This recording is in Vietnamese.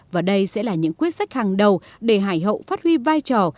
và đây sẽ là những quyết sách hàng đầu để hải hậu phát huy vai trò